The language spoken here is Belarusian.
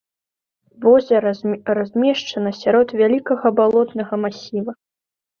Возера размешчана сярод вялікага балотнага масіва.